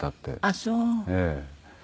ああそう。